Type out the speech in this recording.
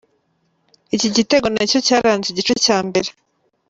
iki gitego nicyo cyaranze igice cya mbere.